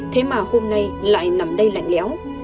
thế mà hôm nay lại nằm đây lạnh lẽo